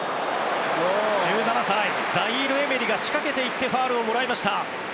１７歳ザイール・エメリが仕掛けていってファウルをもらいました。